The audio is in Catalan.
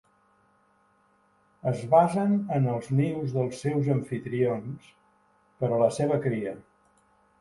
Es basen en els nius dels seus amfitrions per a la seva cria.